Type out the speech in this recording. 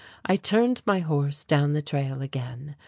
I turned my horse down the trail again.